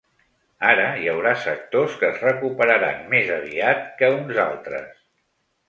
Ara, hi haurà sectors que es recuperaran més aviat que uns altres.